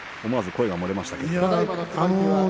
思わず声が漏れましたね。